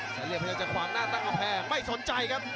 เหลี่ยมพยายามจะขวางหน้าตั้งกำแพงไม่สนใจครับ